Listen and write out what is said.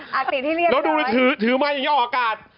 แล้วดูแล้วถือมาอย่างงี้ออกอากาศ